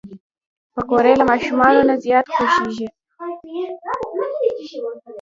پکورې له ماشومانو نه زیات خوښېږي